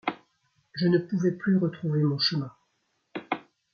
Je ne pouvais plus retrouver mon chemin !